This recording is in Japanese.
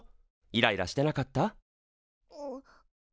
イライラしてなかった？